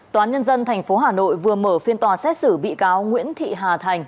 tòa án nhân dân tp hà nội vừa mở phiên tòa xét xử bị cáo nguyễn thị hà thành